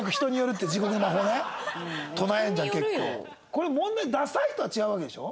これ問題はダサいとは違うわけでしょ？